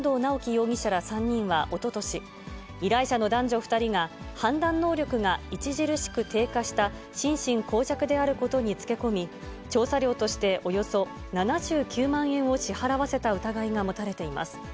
容疑者ら３人はおととし、依頼者の男女２人が判断能力が著しく低下した心神耗弱であることにつけ込み、調査料として、およそ７９万円を支払わせた疑いが持たれています。